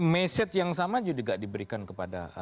message yang sama juga tidak diberikan kepada presiden